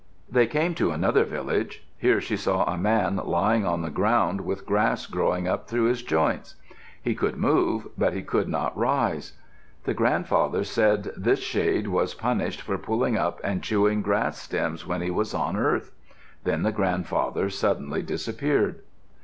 They came to another village. Here she saw a man lying on the ground with grass growing up through his joints. He could move, but he could not rise. The grandfather said this shade was punished for pulling up and chewing grass stems when he was on earth. Then the grandfather suddenly disappeared.